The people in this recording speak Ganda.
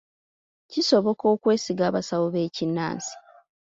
Kisoboka okwesiga abasawo b'ekinnansi?